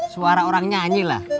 suara orang nyanyilah